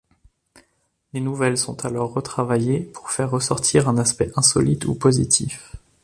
Les nouvelles sont alors retravaillées pour faire ressortir un aspect insolite ou positif.